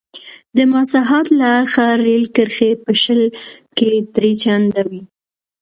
د مساحت له اړخه رېل کرښې په شل کې درې چنده وې.